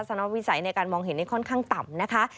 สนวิสัยในการมองเห็นค่อนข้างต่ำนะคะ